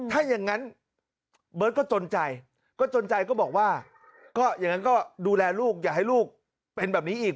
ถ้าอย่างนั้นเบิร์ตก็จนใจก็จนใจก็บอกว่าก็อย่างนั้นก็ดูแลลูกอย่าให้ลูกเป็นแบบนี้อีก